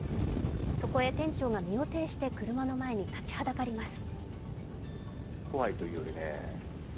そこへ、店長が身をていして車の前に立ちはだかります。